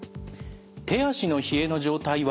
「手足の冷えの状態は？」。